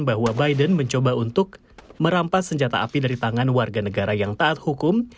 bahwa biden mencoba untuk merampas senjata api dari tangan warga negara yang taat hukum